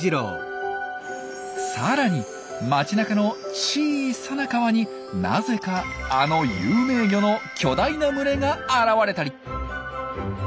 さらに街なかの小さな川になぜかあの有名魚の巨大な群れが現れたり。